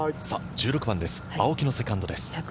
１６番です、青木のセカンドです。